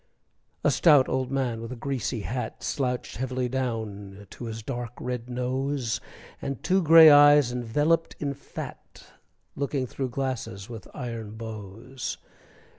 A stout old man with a greasy hat Slouched heavily down to his dark, red nose, And two gray eyes enveloped in fat, Looking through glasses with iron bows.